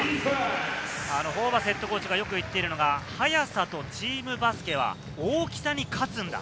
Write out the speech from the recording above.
ホーバスＨＣがよく言っているのが速さとチームバスケは大きさで勝つんだ。